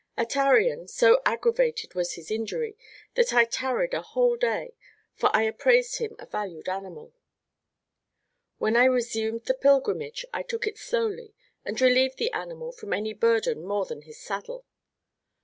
At Arion, so aggravated was his injury, that I tarried a whole day, for I appraised him a valued animal. When I resumed the pilgrimage, I took it slowly, and relieved the animal from any burden more than his saddle.